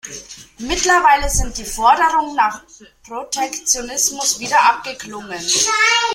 Mittlerweile sind die Forderungen nach Protektionismus wieder abgeklungen.